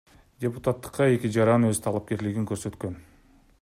Депутаттыкка эки жаран өз талапкерлигин көрсөткөн.